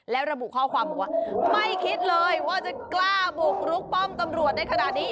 แล้วระบุข้อความบอกว่าไม่คิดเลยว่าจะกล้าบุกรุกป้อมตำรวจในขณะนี้